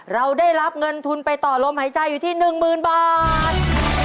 เราได้รับเงินทุนไปต่อลมหายใจอยู่ที่๑๐๐๐บาท